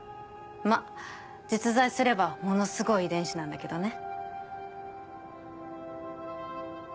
まぁ実在すればものすごい遺伝子なんだけどね。